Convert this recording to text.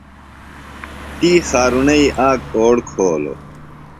تی خارُݨئی آک اوڑ کھولوۡ۔